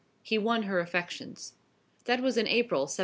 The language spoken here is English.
He won her affections. That was in April, 1793.